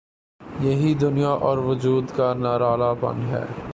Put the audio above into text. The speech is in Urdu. یہی دنیا اور وجود کا نرالا پن ہے۔